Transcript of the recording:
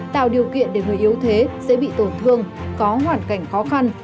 tạo điều kiện để người yếu thế dễ bị tổn thương có hoàn cảnh khó khăn